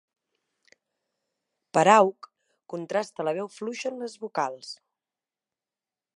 Parauk contrasta la veu fluixa en les vocals.